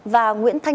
và nguyễn hoàng sang